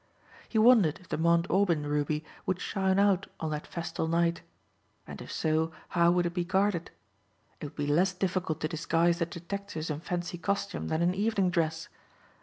He wondered if the Mount Aubyn ruby would shine out on that festal night. And if so how would it be guarded? It would be less difficult to disguise the detectives in fancy costume than in evening dress.